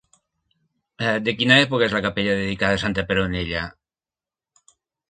De quina època és la capella dedicada a santa Peronella?